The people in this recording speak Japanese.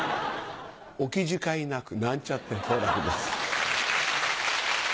おキジュかいなくなんちゃって好楽です。